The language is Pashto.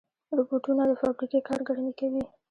روبوټونه د فابریکې کار ګړندي کوي.